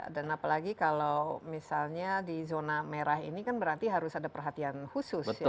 dan apalagi kalau misalnya di zona merah ini kan berarti harus ada perhatian khusus